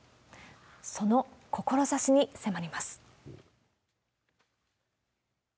その志に迫ります。